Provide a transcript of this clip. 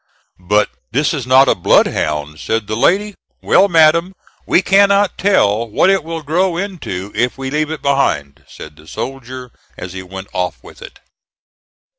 "But this is not a bloodhound," said the lady. "Well, madam, we cannot tell what it will grow into if we leave it behind," said the soldier as he went off with it.